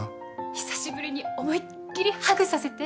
久しぶりに思いっきりハグさせて